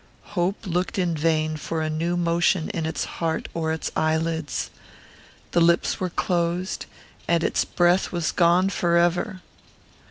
Hope looked in vain for a new motion in its heart or its eyelids. The lips were closed, and its breath was gone forever!